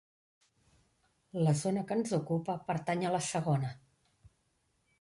La zona que ens ocupa pertany a la segona.